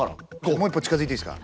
もう一歩近づいていいですか？